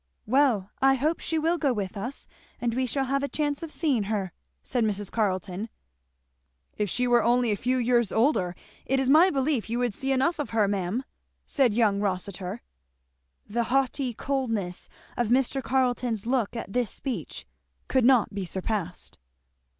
"Well, I hope she will go with us and we shall have a chance of seeing her," said Mrs. Carleton. "If she were only a few years older it is my belief you would see enough of her, ma'am," said young Rossitur. The haughty coldness of Mr. Carleton's look at this speech could not be surpassed.